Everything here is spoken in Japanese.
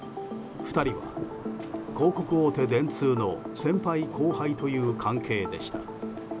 ２人は広告大手・電通の先輩・後輩という関係でした。